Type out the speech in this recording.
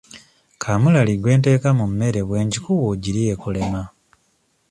Kaamulali gwe nteeka mu mmere bwe ngikuwa ogirye ekulema.